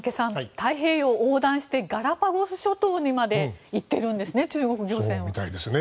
太平洋を横断してガラパゴス諸島にまで行っているんですね。